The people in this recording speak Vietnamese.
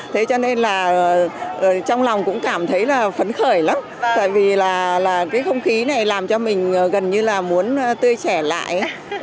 thế cho nên là trong lòng cũng cảm thấy là phấn khởi lắm tại vì là cái không khí này làm cho mình gần như là muốn tươi trẻ lại